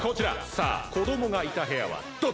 さあこどもがいた部屋はどっち？